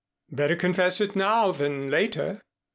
"Better confess it now than later."